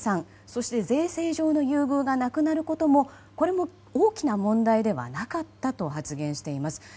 そして税制上の優遇がなくなることも大きな問題ではなかったと発言しています。